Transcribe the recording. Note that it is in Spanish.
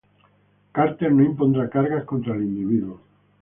Carter no impondrían cargas contra el individuo.